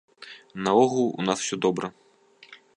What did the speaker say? Наогул, у нас усё добра.